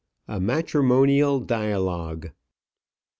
A MATRIMONIAL DIALOGUE.